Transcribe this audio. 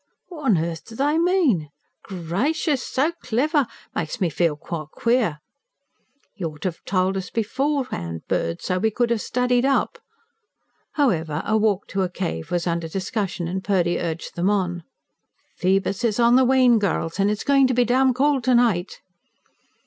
"What'n earth do they mean? Gracious! So clever! It makes me feel quite queer." "Y'ought to 'ave told us before 'and, Purd, so's we could 'ave studied up." However, a walk to a cave was under discussion, and Purdy urged them on. "Phoebus is on the wane, girls. And it's going to be damn cold to night."